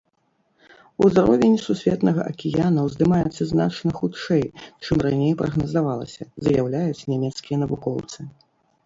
Узровень сусветнага акіяна ўздымаецца значна хутчэй, чым раней прагназавалася, заяўляюць нямецкія навукоўцы.